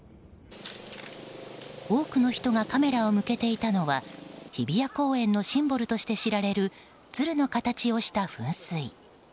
多くの人がカメラを向けていたのは日比谷公園のシンボルとして知られるツルの形をした噴水。